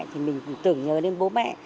thì mình tưởng nhớ đến bố mẹ